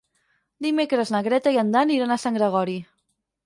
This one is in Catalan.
Dimecres na Greta i en Dan iran a Sant Gregori.